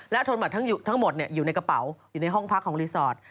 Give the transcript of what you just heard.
โทนบัตรทั้งหมดอยู่ในกระเป๋าอยู่ในห้องพักของรีสอร์ท